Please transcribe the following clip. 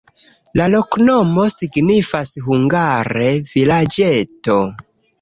La loknomo signifas hungare: vilaĝeto.